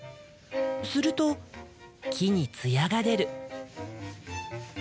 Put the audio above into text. すると木に艶が出る。